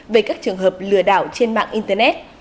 về các trường hợp lừa đảo trên mạng internet